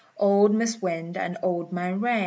Old Mis' Wind and Old Man Rain.